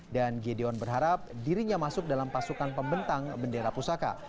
dan gideon berharap dirinya masuk dalam pasukan pembentang bendera pusaka